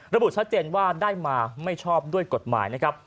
ระบุชัดเจนว่าได้มาไม่ชอบด้วยกฎหมายนะครับ